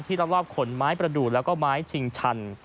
ที่รอบขนไม้ประดูกและไม้ชิงชัน